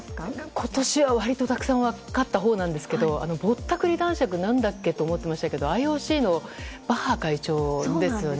今年は、割とたくさん分かったほうなんですけどぼったくり男爵何だっけって思っていましたけどＩＯＣのバッハ会長ですね。